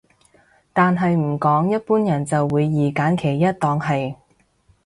但係唔講一般人就會二擇其一當係